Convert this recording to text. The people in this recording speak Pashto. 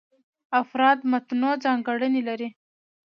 افراد متنوع ځانګړنې لري.